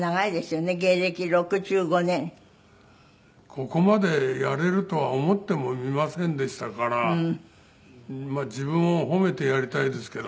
ここまでやれるとは思ってもみませんでしたから自分を褒めてやりたいですけどね。